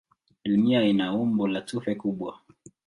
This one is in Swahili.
Dunia ina umbo la tufe kubwa.